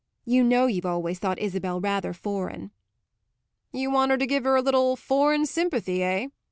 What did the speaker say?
You know you've always thought Isabel rather foreign." "You want her to give her a little foreign sympathy, eh?